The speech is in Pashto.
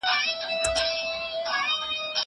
زه اجازه لرم چي لوبه وکړم.